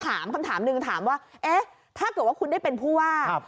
คำถามหนึ่งถามว่าเอ๊ะถ้าเกิดว่าคุณได้เป็นผู้ว่า